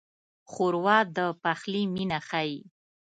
ښوروا د پخلي مینه ښيي.